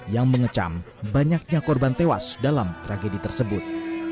yang mengecam banyaknya korban tewas dalam tragedi tersebut